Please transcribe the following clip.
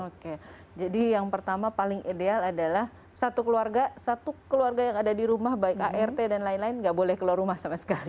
oke jadi yang pertama paling ideal adalah satu keluarga satu keluarga yang ada di rumah baik art dan lain lain nggak boleh keluar rumah sama sekali